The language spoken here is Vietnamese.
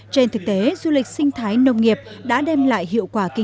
trên thực tế du lịch sinh thái nông nghiệp đã đem lại hiệu quả kỳ